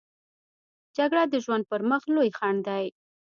جګړه د ژوند پر مخ لوی خنډ دی